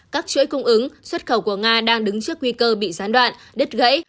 các chuỗi cung ứng xuất khẩu của nga đang đứng trước nguy cơ bị gián đoạn đứt gãy